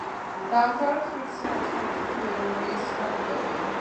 დაამთავრა თბილისის სახელმწიფო უნივერსიტეტის ფილოლოგიის ფაკულტეტი.